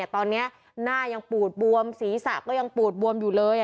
ตอนนี้หน้ายังปูดบวมศีรษะก็ยังปูดบวมอยู่เลย